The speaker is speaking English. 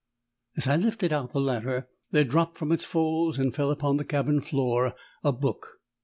As I lifted out the latter, there dropped from its folds and fell upon the cabin floor a book.